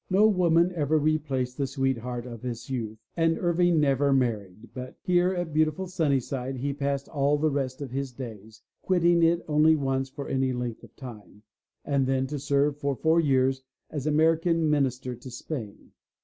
No woman ever replaced the sweetheart of his youth and Irving never married, but here at beautiful Sunnyside he passed all the rest of his days, quitting it only once for any length of time, and then to serve for four years as American Minister to Spain.